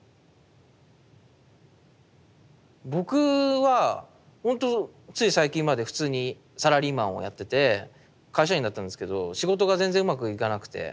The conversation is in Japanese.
僕はほんとつい最近まで普通にサラリーマンをやってて会社員だったんですけど仕事が全然うまくいかなくて。